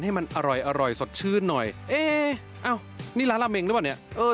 ให้มันอร่อยสดชื่นหน่อยเอ๊ะนี่ร้านราเมงหรือเปล่าเนี่ย